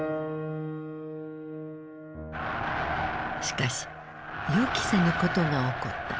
しかし予期せぬことが起こった。